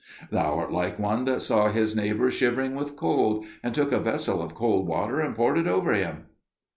"Thou art like one that saw his neighbour shivering with cold, and took a vessel of cold water and poured it over him."